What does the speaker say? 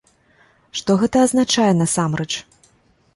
Што гэта азначае насамрэч?